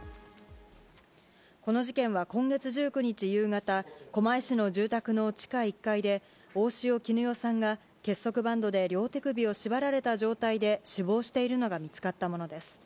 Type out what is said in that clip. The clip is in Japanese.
この事件は今月１９日夕方、狛江市の住宅の地下１階で、大塩衣与さんが結束バンドで両手首を縛られた状態で死亡しているのが見つかったものです。